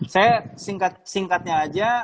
saya singkat singkatnya aja